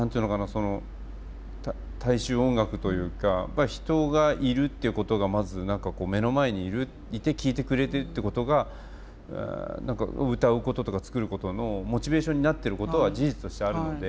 その大衆音楽というか人がいるっていうことがまず何かこう目の前にいるいて聴いてくれてるってことが歌うこととか作ることのモチベーションになってることは事実としてあるので。